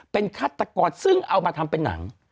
เป็นฆาตกรซึ่งเอามาทำเป็นหนัง